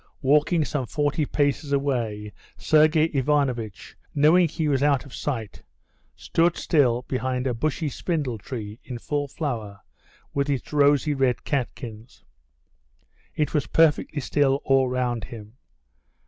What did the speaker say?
Walking some forty paces away, Sergey Ivanovitch, knowing he was out of sight, stood still behind a bushy spindle tree in full flower with its rosy red catkins. It was perfectly still all round him.